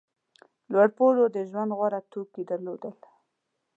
لوړپوړو د ژوند غوره توکي درلودل.